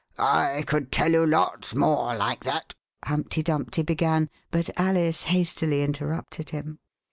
I could tell you lots more like that," Humpty Dumpty began, but Alice hastily interrupted him.